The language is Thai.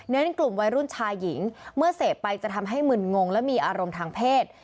กลุ่มวัยรุ่นชายหญิงเมื่อเสพไปจะทำให้มึนงงและมีอารมณ์ทางเพศ